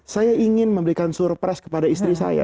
saya ingin memberikan surprise kepada istri saya